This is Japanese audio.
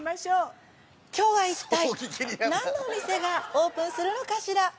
きょうは一体、何のお店がオープンするのかしら。